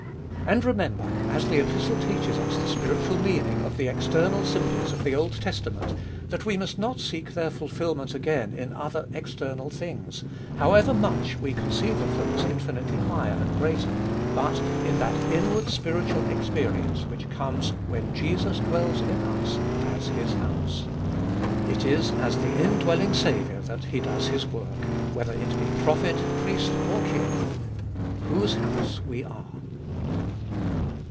And, remember, as the Epistle teaches us the spiritual meaning of the external symbols of the Old Testament, that we must not seek their fulfilment again in other external things, however much we conceive of them as infinitely higher and greater, but in that inward spiritual experience which comes when Jesus dwells in us as His house. It is as the Indwelling Saviour that He does His work, whether it be Prophet, Priest, or King. Whose house we are.